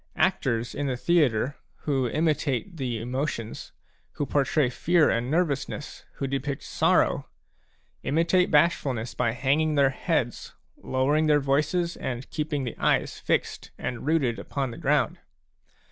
Actors in the theatre, who imitate the emotions, who portray fear and nervousness, who depict sorrow, imitate bashful ness by hanging their heads, lowering their voices, and keeping their eyes fixed and rooted upon the ground.